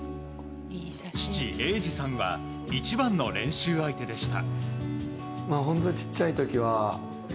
父・栄司さんは一番の練習相手でした。